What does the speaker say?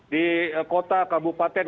di kota kabupaten